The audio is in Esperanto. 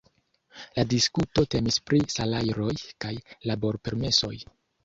La diskuto temis pri salajroj kaj laborpermesoj.